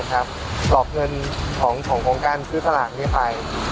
กรอกเงินของการซื้อสลากนี้ไป